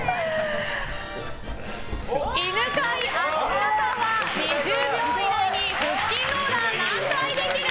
犬飼貴丈さんは２０秒以内に腹筋ローラー、何回できる？